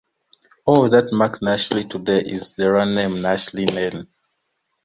All that marks Nash Lee today is the road name Nash Lee Lane.